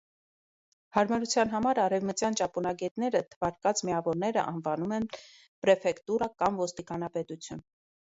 Հարմարության համար արևմտյան ճապոնագետները թվարկած միավոները անվանում են պրեֆեկտուրա, կամ ոստիկանապետություն։